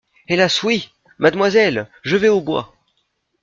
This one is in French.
Hélas, oui ! mademoiselle ! je vais au bois !